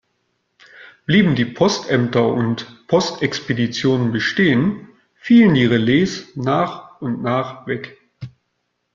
Blieben die Postämter und Postexpeditionen bestehen, fielen die Relais nach und nach weg.